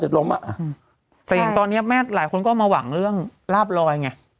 แต่อย่างตอนนี้แม่หลายคนก็มาหวังเรื่องลาบลอยไง